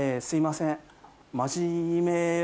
すいません。